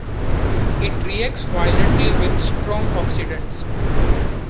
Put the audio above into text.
It reacts violently with strong oxidants.